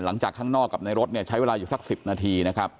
ข้างนอกกับในรถเนี่ยใช้เวลาอยู่สัก๑๐นาทีนะครับ